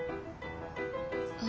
あ。